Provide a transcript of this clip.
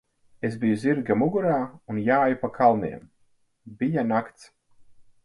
Es biju zirga mugurā un jāju pa kalniem. Bija nakts.